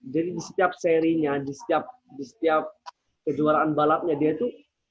jadi di setiap serinya di setiap kejuaraan balapnya dia tuh